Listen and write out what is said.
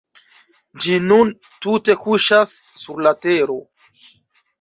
Ĝi nun tute kuŝas sur la tero.